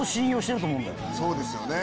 そうですよね。